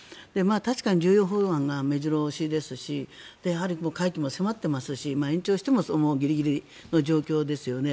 確かに重要法案が目白押しですしやはり会期も迫っていますし延長してもギリギリの状況ですよね。